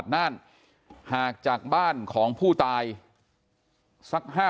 กลุ่มตัวเชียงใหม่